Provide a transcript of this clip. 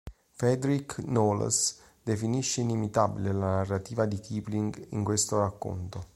Frederick Knowles definisce "inimitabile" la narrativa di Kipling in questo racconto.